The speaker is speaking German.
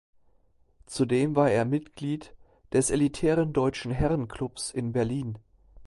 Zudem war er Mitglied des elitären Deutschen Herrenklubs in Berlin.